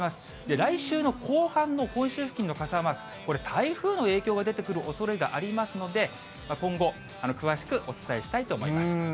来週の後半の本州付近の傘マーク、これ、台風の影響が出てくるおそれがありますので、今後、詳しくお伝えしたいと思います。